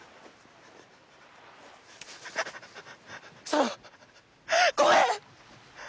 そのごめん！